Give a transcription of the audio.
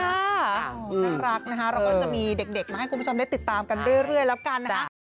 น่ารักนะคะเราก็จะมีเด็กมาให้คุณผู้ชมได้ติดตามกันเรื่อยแล้วกันนะคะ